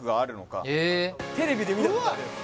テレビで見たことあるやつ